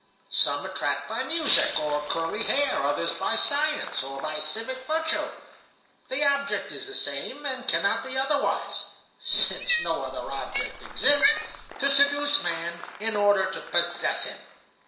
"Some attract by music or curly hair, others by science or by civic virtue. The object is the same, and cannot be otherwise (since no other object exists),—to seduce man in order to possess him.